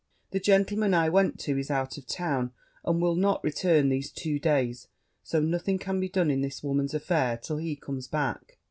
The gentleman I went to is out of town, and will not return these two days: so nothing can be done in this woman's affair till he comes back.'